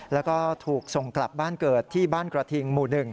แล้วก็ถูกส่งกลับบ้านเกิดที่บ้านกระทิงหมู่๑